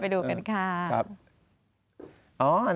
ดูกันค่ะ